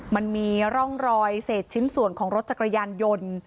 มันมีร่องรอยเศษชิ้นส่วนของรถจักรยานยนต์